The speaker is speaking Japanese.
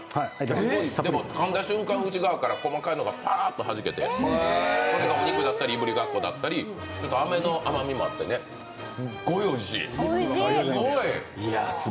でも、かんだ瞬間、内側から細かいのがパーッとはじけて、それがお肉だったり、いぶりがっこだったりあめの甘みもあってね、すっごいおいしい。